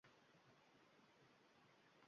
Birin-ketin daryodan